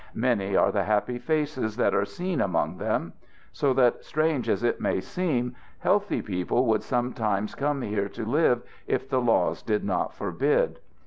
Many are the happy faces that are seen among them; so that, strange as it may seem, healthy people would sometimes come here to live if the laws did not forbid.